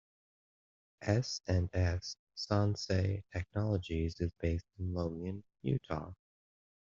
S and S - Sansei Technologies is based in Logan, Utah.